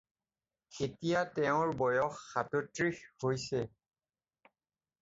এতিয়া তেওঁৰ বয়স সাতত্ৰিশ হৈছে।